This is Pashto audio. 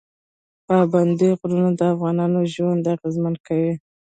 پابندی غرونه د افغانانو ژوند اغېزمن کوي.